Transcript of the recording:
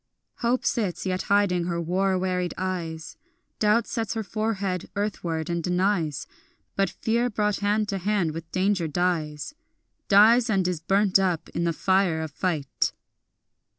Hope sits yet hiding her war wearied eyes, Doubt sets her forehead earthward and denies, But fear brought hand to hand with danger dies, Dies and is burnt up in the fire of fight.